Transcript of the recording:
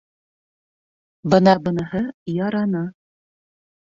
— Бына быныһы яраны.